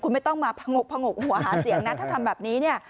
คุณไม่ต้องมาผงกผงกหัวหาเสียงนะถ้าทำแบบนี้เนี่ย